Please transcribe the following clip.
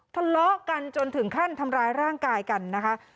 ทะเลาะกันจนถึงขั้นทำร้ายร่างกายกันนะคะ